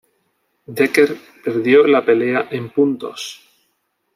Dekker perdió la pelea en puntos.